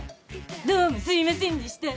どうもすいませんでした。